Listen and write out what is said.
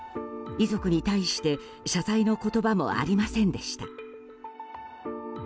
遺族に対して謝罪の言葉もありませんでした。